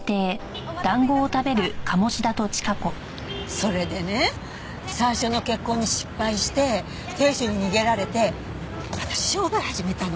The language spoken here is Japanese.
それでね最初の結婚に失敗して亭主に逃げられて私商売を始めたの。